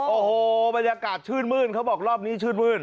โอ้โหบรรยากาศชื่นมื้นเขาบอกรอบนี้ชื่นมื้น